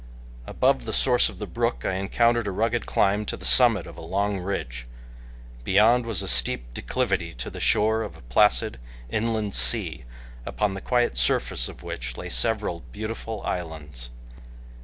Above the source of the brook I encountered a rugged climb to the summit of a long ridge. Beyond was a steep declivity to the shore of a placid, inland sea, upon the quiet surface of which lay several beautiful islands.